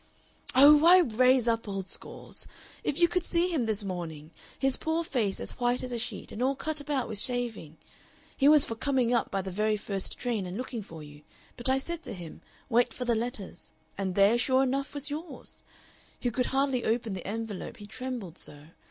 "Oh, why raise up old scores? If you could see him this morning, his poor face as white as a sheet and all cut about with shaving! He was for coming up by the very first train and looking for you, but I said to him, 'Wait for the letters,' and there, sure enough, was yours. He could hardly open the envelope, he trembled so.